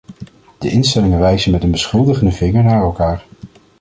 De instellingen wijzen met een beschuldigende vinger naar elkaar.